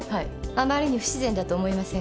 あまりに不自然だと思いませんか？